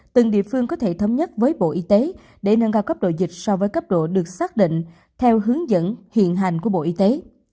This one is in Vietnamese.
từng địa phương có thể thống nhất với bộ y tế để nâng cao cấp độ dịch so với cấp độ được xác định theo hướng dẫn hiện hành của bộ y tế